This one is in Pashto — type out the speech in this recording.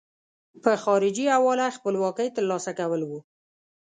په خارجي حواله خپلواکۍ ترلاسه کول وو.